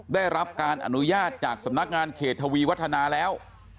ได้รับการอนุญาตจากสำนักงานเขตทวีวัฒนาแล้ว